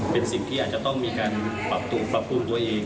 เป็นสิ่งที่อาจจะต้องมีการปรับคุมตัวเอง